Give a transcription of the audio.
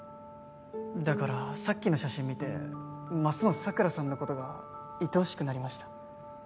だからさっきの写真を見てますます桜さんの事がいとおしくなりました。